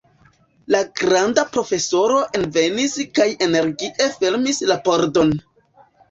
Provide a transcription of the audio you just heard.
La granda profesoro envenis kaj energie fermis la pordon.